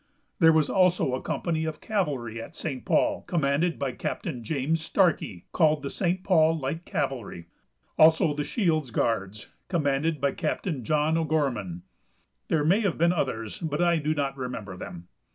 There was also a company of cavalry at St. Paul, commanded by Capt. James Starkey, called the "St. Paul Light Cavalry"; also, the "Shields Guards," commanded by Capt. John O'Gorman. There may have been others, but I do not remember them.